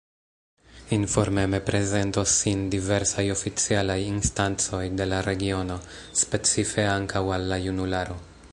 Informeme prezentos sin diversaj oficialaj instancoj de la regiono, specife ankaŭ al la junularo.